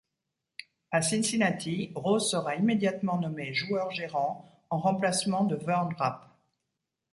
À Cincinnati, Rose sera immédiatement nommé joueur-gérant, en remplacement de Vern Rapp.